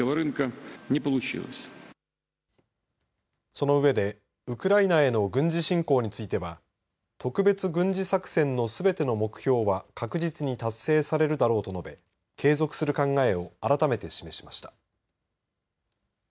その上で、ウクライナへの軍事進攻については特別軍事作戦のすべての目標は確実に達成されるだろうと述べ継続する考えを改めて示しました。